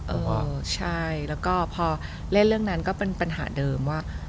เออใช่แล้วก็พอเล่นเรื่องนั้นก็เป็นปัญหาเดิมว่า